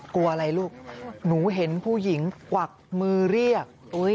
กลัวอะไรลูกหนูเห็นผู้หญิงกวักมือเรียก